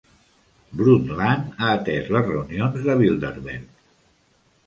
Brundtland ha atès les reunions de Bilderberg.